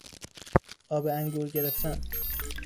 آب انگور گرفتن